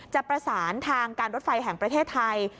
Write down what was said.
จะประสานทางการรถไฟแห่งประเทศไทย